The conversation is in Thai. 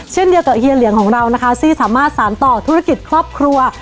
เช่นเดียวกับเฮียเหลียงของเรานะคะที่สามารถสารต่อธุรกิจครอบครัว